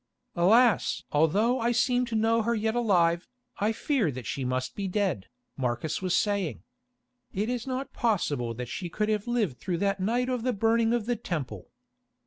"Alas! although I seem to know her yet alive, I fear that she must be dead," Marcus was saying. "It is not possible that she could have lived through that night of the burning of the Temple."